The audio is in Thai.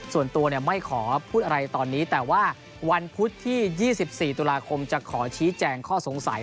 ส่วนตัวไม่ขอพูดอะไรตอนนี้แต่ว่าวันพุธที่๒๔ตุลาคมจะขอชี้แจงข้อสงสัย